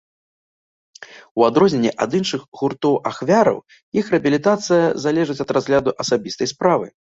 У адрозненне ад іншых гуртоў-ахвяраў, іх рэабілітацыя залежыць ад разгляду асабістай справы.